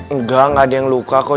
enggak enggak ada yang luka kok